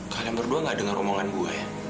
kalian berdua gak denger omongan gue ya